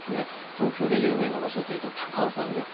東京で有名な場所でいうと高尾山です。